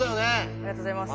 ありがとうございます。